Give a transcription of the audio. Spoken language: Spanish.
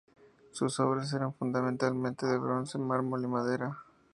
Sus obras eran fundamentalmente de bronce, mármol y madera.